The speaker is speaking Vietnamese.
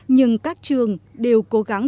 nhưng các trường đều cố gắng